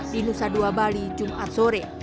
di nusa dua bali jumat sore